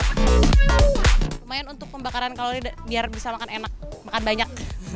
lumayan untuk pembakaran kalori biar bisa makan enak makan banyak